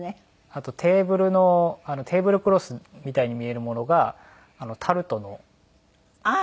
あとテーブルのテーブルクロスみたいに見えるものがタルトの型だったりとかですね。